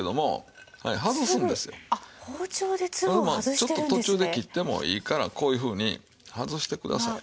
ちょっと途中で切ってもいいからこういうふうに外してください。